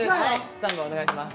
スタンバイお願いします。